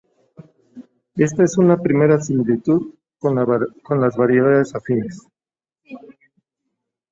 Esta es una primera similitud con las variedades afines.